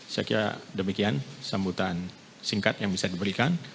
saya kira demikian sambutan singkat yang bisa diberikan